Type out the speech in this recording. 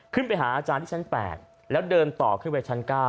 ขึ้นไปหาอาจารย์ที่ชั้น๘แล้วเดินต่อขึ้นไปชั้น๙